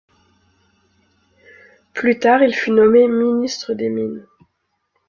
Plus tard il fut nommé ministre des Mines.